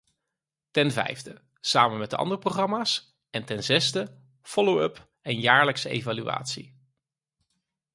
Ten vijfde: samen met de andere programma's en ten zesde: follow-up en jaarlijkse evaluatie.